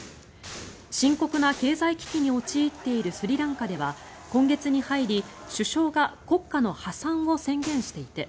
深刻な経済危機に陥っているスリランカでは今月に入り首相が国家の破産を宣言していて